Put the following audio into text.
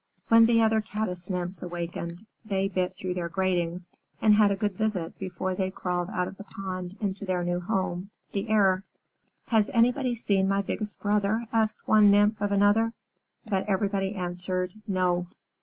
When the other Caddis Nymphs awakened, they bit through their gratings and had a good visit before they crawled out of the pond into their new home, the air. "Has anybody seen my biggest brother?" asked one Nymph of another, but everybody answered, "No."